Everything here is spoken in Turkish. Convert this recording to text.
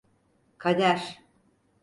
Kader!